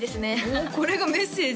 おおこれがメッセージ？